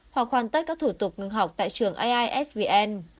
hoặc hoàn tất các thủ tục ngừng học tại trường aisvn